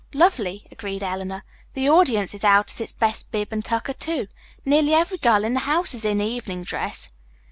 "Lovely," agreed Eleanor. "The audience is out in its best bib and tucker, too. Nearly every girl in the house is in evening dress."